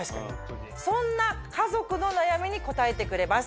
そんな家族の悩みに答えてくれます。